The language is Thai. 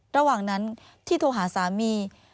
ระหว่างนั้นที่โทรหาสามี